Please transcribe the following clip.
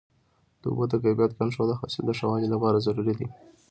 د اوبو د کیفیت کنټرول د حاصل د ښه والي لپاره ضروري دی.